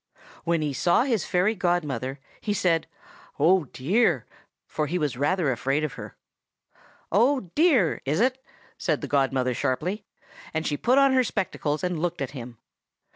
When he saw his fairy godmother, he said, 'Oh, dear!' for he was rather afraid of her. "'"Oh, dear!" it is!' said the godmother sharply; and she put on her spectacles and looked at him.